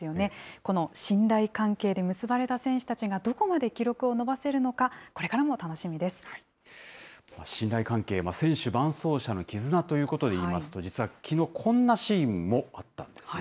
この信頼関係で結ばれた選手たちが、どこまで記録を伸ばせるのか、信頼関係、選手、伴走者の絆ということで言いますと、実はきのう、こんなシーンもあったんですね。